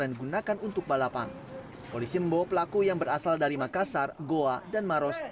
yang digunakan untuk balapan polisi membawa pelaku yang berasal dari makassar goa dan maros